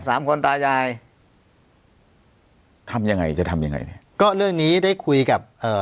สามคนตายายทำยังไงจะทำยังไงเนี่ยก็เรื่องนี้ได้คุยกับเอ่อ